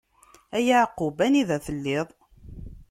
A Yeɛqub! Anida telliḍ?